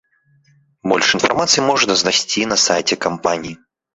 Больш інфармацыі можна знайсці на сайце кампаніі.